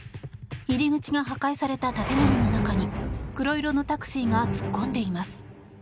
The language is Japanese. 入り口が破壊された建物の中に黒色のタクシーが突っ込んでいます。